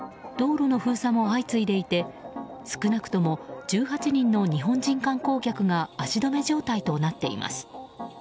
道路の封鎖も相次いでいて少なくとも１８人の日本人観光客が足止め状態となっています。